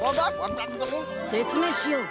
せつめいしよう！